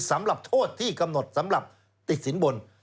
สำหรับโทษที่กำหนดสำหรับติดสินบน